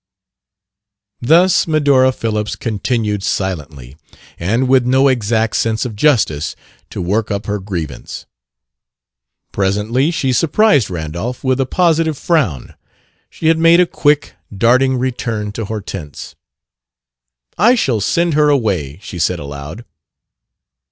Thus Medora Phillips continued silently, and with no exact sense of justice, to work up her grievance. Presently she surprised Randolph with a positive frown. She had made a quick, darting return to Hortense. "I shall send her away," she said aloud.